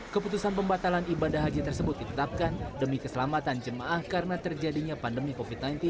keputusan pembatalan ibadah haji tersebut ditetapkan demi keselamatan jemaah karena terjadinya pandemi covid sembilan belas